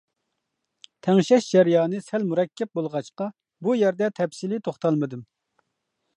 تەڭشەش جەريانى سەل مۇرەككەپ بولغاچقا بۇ يەردە تەپسىلىي توختالمىدىم.